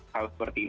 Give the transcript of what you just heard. hal seperti ini